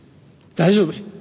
大丈夫。